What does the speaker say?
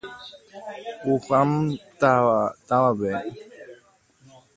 Wuhan távape.